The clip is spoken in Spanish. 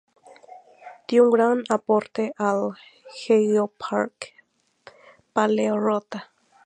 Dio un gran aporte al Geoparque Paleorrota.